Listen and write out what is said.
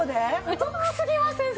お得すぎません？